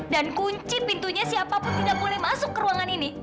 dan kunci pintunya siapapun tidak boleh masuk ke ruangan ini